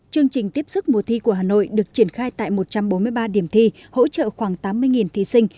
chương trình tiếp sức mùa thi của hà nội được triển khai tại một trăm bốn mươi ba điểm thi hỗ trợ khoảng tám mươi thí sinh